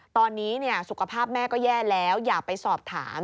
ตอนนี้สุขภาพแม่ก็แย่แล้วอย่าไปสอบถาม